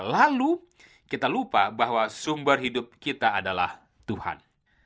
lalu kita lupa bahwa sumber hidup kita adalah tuhan